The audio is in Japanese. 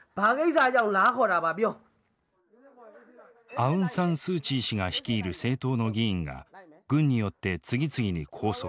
アウン・サン・スー・チー氏が率いる政党の議員が軍によって次々に拘束。